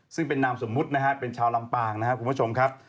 ซึ่งเป็นนามสมมุตินะฮะเป็นชาวลำปางนะครับคุณผู้ชมครับ